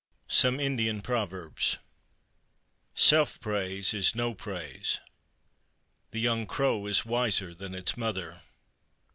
SOME INDIAN PROVERBS Self praise is no praise. The young crow is wiser than its mother.